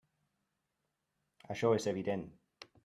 Això és evident.